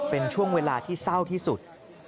เป็นช่วงเวลาที่เศร้าที่สุด